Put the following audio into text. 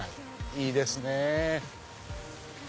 いいですね。